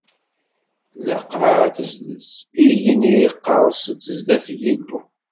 Lqaɛa tezlez, igenni iqers-d sdat Yillu.